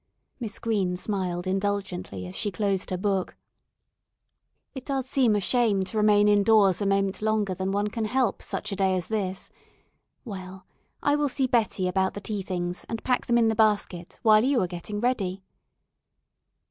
Miss Green smiled indulgently as she closed her book. "It does seem a shame to remain indoors a moment longer than one can help such a day as this. Well, I will see Betty about the tea things and pack them in the basket while you are getting ready."